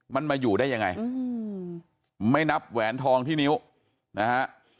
มันมาอยู่ได้ยังไงไม่นับแหวนทองที่นิ้วนะฮะ